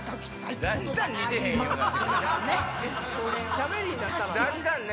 しゃべりになったらな。